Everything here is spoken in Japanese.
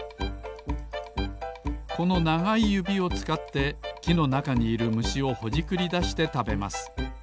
このながいゆびをつかってきのなかにいるむしをほじくりだしてたべます